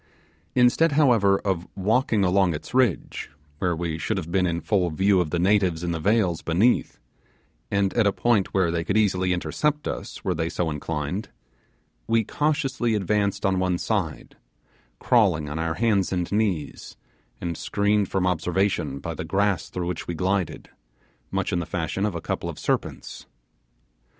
Instead however of walking along its ridge, where we should have been in full view of the natives in the vales beneath, and at a point where they could easily intercept us were they so inclined, we cautiously advanced on one side, crawling on our hands and knees, and screened from observation by the grass through which we glided, much in the fashion of a couple of serpents.